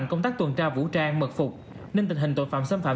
càng mật phục nên tình hình tội phạm xâm phạm